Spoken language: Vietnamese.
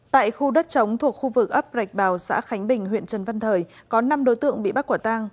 tại khu đất chống thuộc khu vực ấp rạch bào xã khánh bình huyện trần văn thời có năm đối tượng bị bắt quả tang